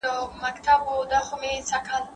مایکروفون د خبریال په لاس کې ښکاري.